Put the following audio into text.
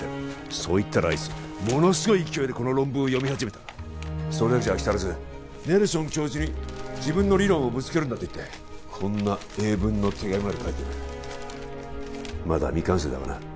そう言ったらあいつものすごい勢いでこの論文を読み始めたそれだけじゃ飽き足らずネルソン教授に自分の理論をぶつけるんだと言ってこんな英文の手紙まで書いてるまだ未完成だがな